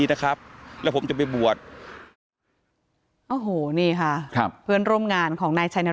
สำหรับเรื่องราวชีวิตจริงที่ยิ่งกว่านิยาย